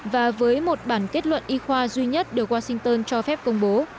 và với một bản kết luận y khoa duy nhất được washington cho phép công bố